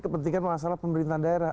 kepentingan masalah pemerintahan daerah